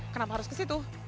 kenapa harus ke situ